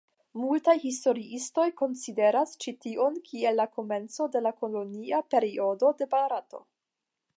Multaj historiistoj konsideras ĉi tion kiel la komenco de la kolonia periodo de Barato.